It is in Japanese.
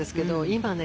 今ね